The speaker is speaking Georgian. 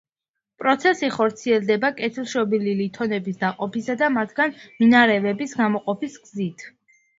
პროცესი ხორციელდება კეთილშობილი ლითონების დაყოფისა და მათგან მინარევების გამოყოფის გზით.